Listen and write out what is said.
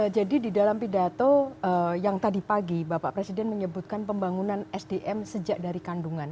jadi di dalam pidato yang tadi pagi bapak presiden menyebutkan pembangunan sdm sejak dari kandungan